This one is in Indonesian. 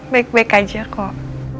baik baik aja kok